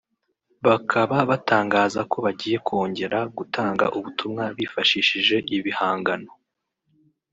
bakaba batangaza ko bagiye kongera gutanga ubutumwa bifashishije ibihangano